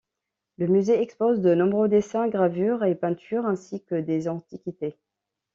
Le musée expose de nombreux dessins, gravures et peintures, ainsi que des antiquités.